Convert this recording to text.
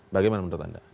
bagaimana menurut anda